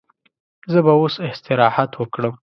زه به اوس استراحت وکړم.